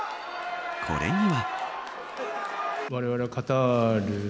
これには。